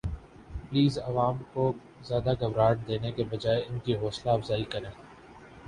piles عوام کو زیادہ گھبراہٹ دینے کے بجاے ان کی حوصلہ افزائی کریں